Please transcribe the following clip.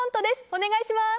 お願いします。